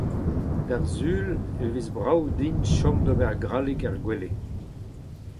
D’ar Sul e vez brav din chom d’ober grallig er gwele.